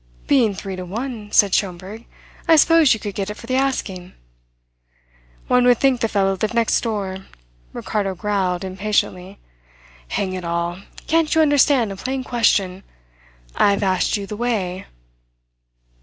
"Being three to one," said Schomberg, "I suppose you could get it for the asking." "One would think the fellow lived next door," Ricardo growled impatiently. "Hang it all, can't you understand a plain question? I have asked you the way."